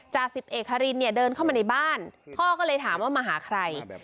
จ่าสิบเอกฮารินเนี่ยเดินเข้ามาในบ้านพ่อก็เลยถามว่ามาหาใคร